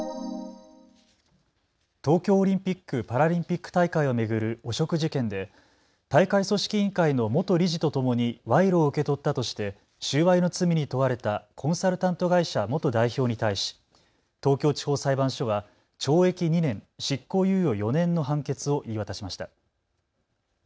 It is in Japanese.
東京オリンピック・パラリンピック大会を巡る汚職事件で大会組織委員会の元理事とともに賄賂を受け取ったとして収賄の罪に問われたコンサルタント会社元代表に対し東京地方裁判所は懲役２年、執行猶予４年の判決を言い渡しました。